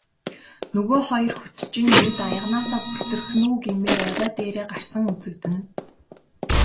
Нөгөө хоёр хөтчийн нүд аяганаасаа бүлтрэх нь үү гэмээр орой дээрээ гарсан үзэгдэнэ.